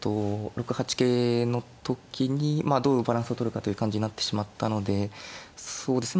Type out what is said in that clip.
６八桂の時にどうバランスをとるかという感じになってしまったのでそうですね